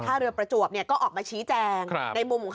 อาทิตย์นี้ออกมาชี้แจงในมุม